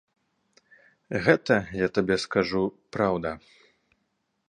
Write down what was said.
Гэта, я табе скажу, праўда.